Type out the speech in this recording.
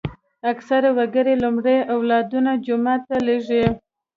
اکثره وګړي لومړی اولادونه جومات ته لېږي.